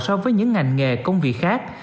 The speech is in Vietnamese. so với những ngành nghề công việc khác